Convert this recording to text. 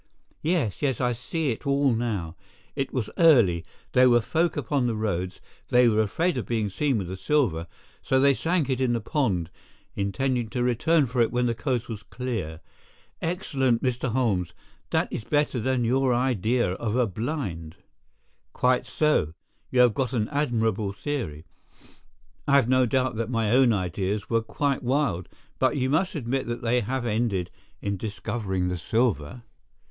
"Yes, yes, I see it all now! It was early, there were folk upon the roads, they were afraid of being seen with the silver, so they sank it in the pond, intending to return for it when the coast was clear. Excellent, Mr. Holmes—that is better than your idea of a blind." "Quite so, you have got an admirable theory. I have no doubt that my own ideas were quite wild, but you must admit that they have ended in discovering the silver."